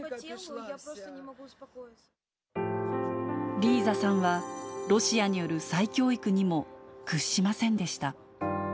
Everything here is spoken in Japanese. リーザさんは、ロシアによる再教育にも屈しませんでした。